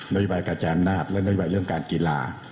นโยบายกระจายอำนาจและนโยบายเรื่องการกีฬา